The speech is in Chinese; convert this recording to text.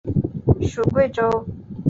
属桂州。